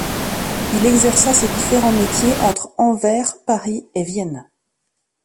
Il exerça ses différents métiers entre Anvers, Paris et Vienne.